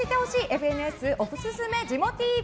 ＦＮＳおすすめジモＴＶ。